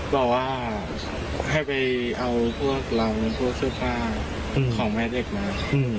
บอกว่าให้ไปเอาพวกเราพวกเสื้อผ้าของแม่เด็กมา